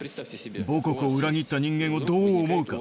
母国を裏切った人間をどう思うか？